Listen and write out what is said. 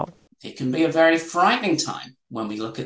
bisa menjadi waktu yang sangat menakutkan